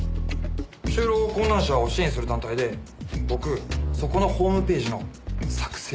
就労困難者を支援する団体で僕そこのホームページの作成をやらせてもらったんです。